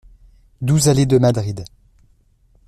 douze allée de Madrid